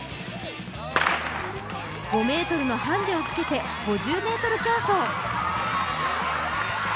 ５ｍのハンデをつけて５０ｍ競争。